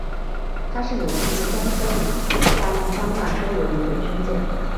她是美军第三艘以亚利桑那州为名的军舰。